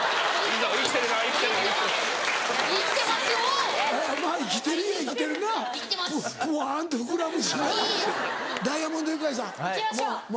いきましょう！